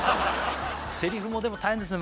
せりふもでも大変ですね